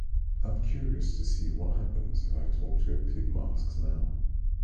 I'm curious to see what happens if I talk to a pigmask now.